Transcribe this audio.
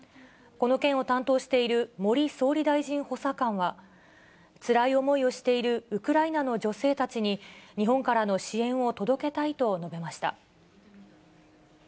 この件を担当している森総理大臣補佐官は、つらい思いをしているウクライナの女性たちに、日本からの支援を届けたいと述べました。